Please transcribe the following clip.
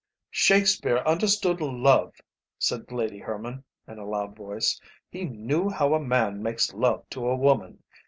'" "Shakespeare understood love," said Lady Herman, in a loud voice; "he knew how a man makes love to a woman.